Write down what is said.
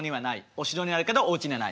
お城にあるけどおうちにはない。